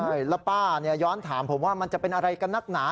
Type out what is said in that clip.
ใช่แล้วป้าย้อนถามผมว่ามันจะเป็นอะไรกันนักหนา